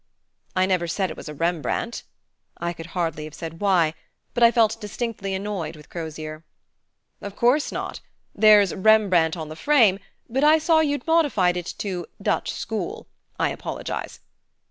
"I never said it was a Rembrandt." I could hardly have said why, but I felt distinctly annoyed with Crozier. "Of course not. There's 'Rembrandt' on the frame, but I saw you'd modified it to 'Dutch School'; I apologize."